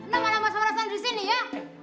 nama nama sama sama disini ya